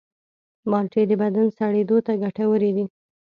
مالټې د بدن سړېدو ته ګټورې دي.